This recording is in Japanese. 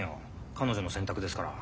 彼女の選択ですから。